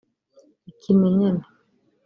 ikimenyane